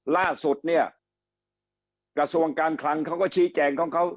ล่าสุดเนี่ยกระทรวงการคลังเขาก็ชี้แจงของเขา